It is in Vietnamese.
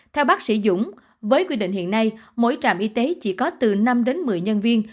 theo bác sĩ dũng với quy định hiện nay mỗi trạm y tế chỉ có từ năm đến một mươi nhân viên